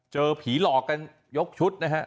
เจอผีหลอกกันยกชุดนะฮะ